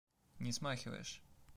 Не смахиваешь.